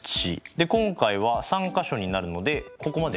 で今回は３か所になるのでここまでですね。